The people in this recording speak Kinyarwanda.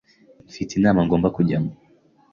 Mfite inama ngomba kujyamo.